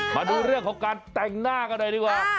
มาดูเรื่องของการแต่งหน้ากันหน่อยดีกว่า